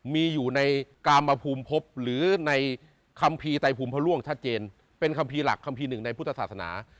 มีอยู่ในกามภูมิพบหรือในคัมภีร์ไตภูมิพระล่วงชัดเจนเป็นคัมภีร์หลักคัมภีร์หนึ่งในพุทธศาสนา